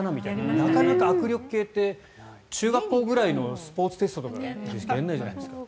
なかなか握力計って中学校くらいのスポーツテストじゃないとやらないじゃないですか。